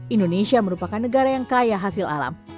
indonesia merupakan negara yang kaya hasil alam